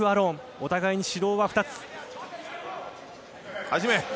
お互いに指導は２つ。